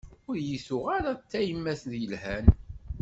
Ur yi-tuɣ ara d tayemmat yelhan.